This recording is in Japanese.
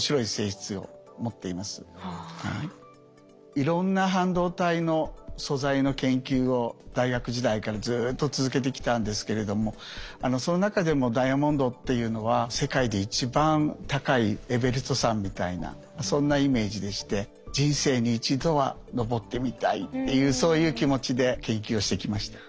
いろんな半導体の素材の研究を大学時代からずっと続けてきたんですけれどもその中でもダイヤモンドっていうのは世界で一番高いエベレスト山みたいなそんなイメージでして人生に一度は登ってみたいっていうそういう気持ちで研究をしてきました。